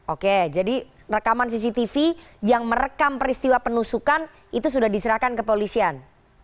oke jadi rekaman cctv yang merekam peristiwa penusukan itu sudah diserahkan ke polisian